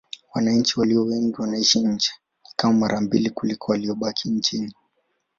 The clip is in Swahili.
Wananchi walio wengi wanaishi nje: ni kama mara mbili kuliko waliobaki nchini.